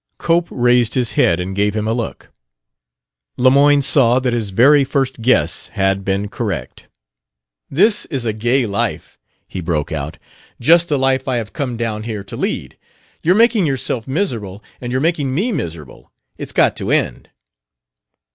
Cope raised his head and gave him a look. Lemoyne saw that his very first guess had been correct. "This is a gay life!" he broke out; "just the life I have come down here to lead. You're making yourself miserable, and you're making me miserable. It's got to end."